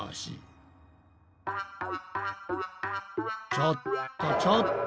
ちょっとちょっと。